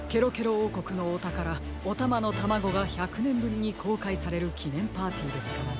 おうこくのおたからおたまのタマゴが１００ねんぶりにこうかいされるきねんパーティーですからね。